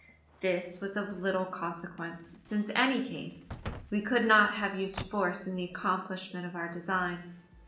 This was of little consequence since in any case, we could not have used force in the accomplishment of our design.